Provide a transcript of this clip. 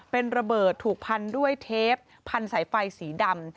เป็นระเบิดถูกพันด้วยเทปพันสายไฟสีดำ